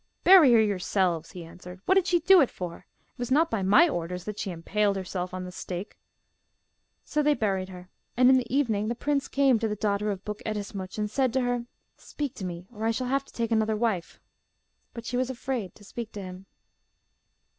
'Bury her yourselves,' he answered. 'What did she do it for? It was not by my orders that she impaled herself on the stake.' So they buried her; and in the evening the prince came to the daughter of Buk Ettemsuch, and said to her, 'Speak to me, or I shall have to take another wife.' But she was afraid to speak to him.